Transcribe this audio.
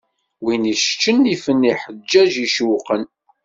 Wid icceččen ifen lḥeǧǧaǧ icewwqen.